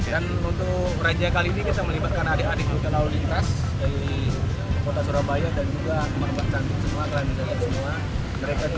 dan untuk peranjanya kali ini kita melibatkan adik adik lalu lintas di kota surabaya dan juga tempat tempat cantik semua kelamin jalan semua